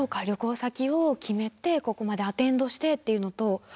旅行先を決めてここまでアテンドしてっていうのと。